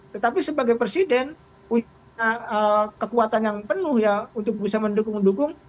tetapi sebagai presiden punya kekuatan yang penuh ya untuk bisa mendukung mendukung